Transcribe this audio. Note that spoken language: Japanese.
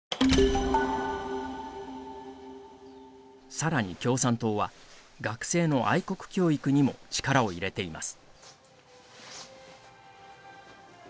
さらに共産党は学生の愛国教育にも力を入れています。